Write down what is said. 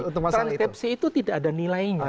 transpsi itu tidak ada nilainya